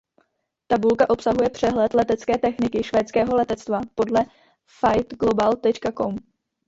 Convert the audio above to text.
Tabulka obsahuje přehled letecké techniky Švédského letectva podle Flightglobal.com.